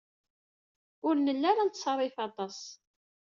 Ur nelli ara nettṣerrif aṭas.